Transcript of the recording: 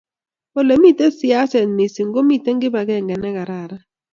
olemiten siaset mising komito kibangenge ngegararan